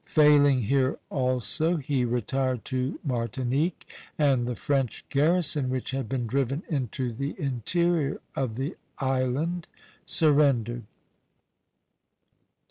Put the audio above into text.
Failing here also, he retired to Martinique; and the French garrison, which had been driven into the interior of the island, surrendered.